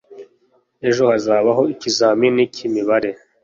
Ejo hazabaho ikizamini cyimibare.